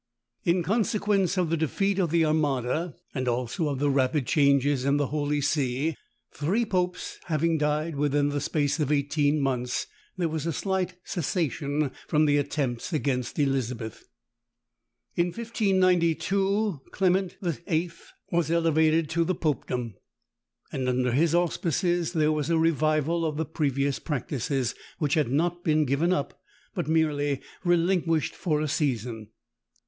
In consequence of the defeat of the Armada, and also of the rapid changes in the holy see, three popes having died within the space of eighteen months, there was a slight cessation from the attempts against Elizabeth. In 1592, Clement VIII. was elevated to the popedom: and under his auspices there was a revival of the previous practices, which had not been given up, but merely relinquished for a season.